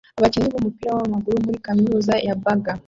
Abakinnyi b'umupira w'amaguru muri kaminuza ya Baga